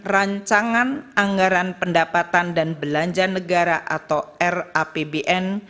rancangan anggaran pendapatan dan belanja negara atau rapbn